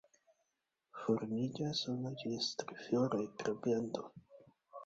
Formiĝas unu ĝis tri floroj pro planto.